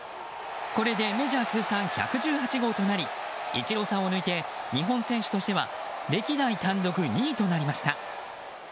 これでメジャー通算１１８号となりイチローさんを抜いて日本選手としては歴代単独２位となりました。